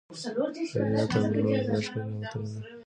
طبیعت او ګلونه د خدای ښکلي نعمتونه دي.